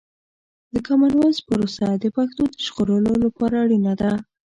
د کامن وایس پروسه د پښتو د ژغورلو لپاره اړینه ده.